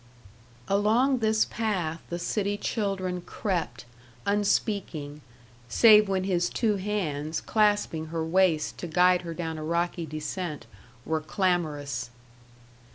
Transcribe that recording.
Along this path the city children crept, unspeaking, save when his two hands, clasping her waist to guide her down a rocky descent, were clamorous.